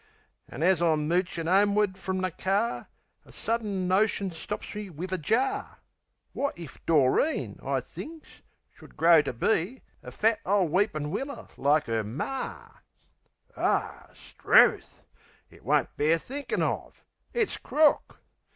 An' as I'm moochin' 'omeward frum the car A suddin notion stops me wiv a jar Wot if Doreen, I thinks, should grow to be, A fat ole weepin' willer like 'er Mar! O, 'struth! It won't bear thinkin' of! It's crook!